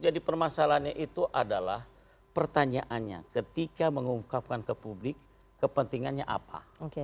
jadi permasalahannya itu adalah pertanyaannya ketika mengungkapkan ke publik kepentingannya apa